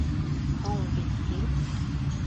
Һуң бит ел...